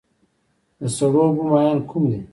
د سړو اوبو ماهیان کوم دي؟